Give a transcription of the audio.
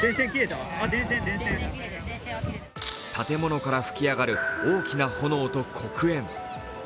建物から吹き上がる大きな炎と黒煙。